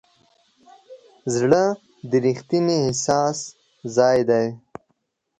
زړه د ریښتیني احساس ځای دی.